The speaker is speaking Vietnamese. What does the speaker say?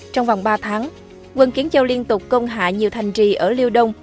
trong vòng ba tháng quân kiến châu liên tục công hạ nhiều thành trì ở liêu đông